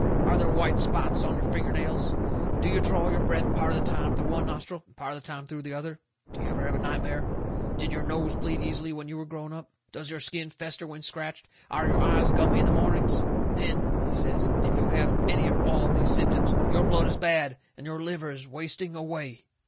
Are there white spots on your finger nails? Do you draw your breath part of the time through one nostril and part of the time through the other? Do you ever have nightmare? Did your nose bleed easily when you were growing up? Does your skin fester when scratched? Are your eyes gummy in the mornings? Then," he says, "if you have any or all of these symptoms, your blood is bad, and your liver is wasting away."